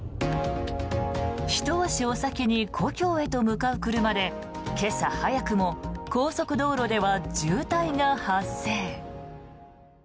ひと足お先に故郷へと向かう車で今朝早くも高速道路では渋滞が発生。